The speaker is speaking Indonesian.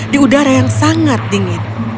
di udara yang sangat dingin